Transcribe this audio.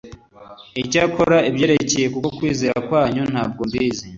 Icyakora ibyerekeye ku kwizera kwanyu ntabwo mbizi